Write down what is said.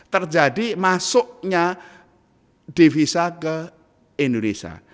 terjadi masuknya devisa ke indonesia